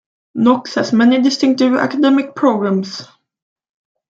Knox has many distinctive academic programs.